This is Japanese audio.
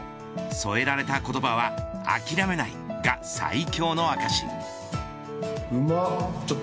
添えられた言葉は諦めないが最強の証し。